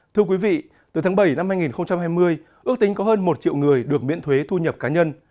thưa quý vị từ tháng bảy năm hai nghìn hai mươi ước tính có hơn một triệu người được miễn thuế thu nhập cá nhân